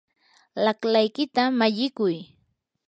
laqlaykita mallikuy.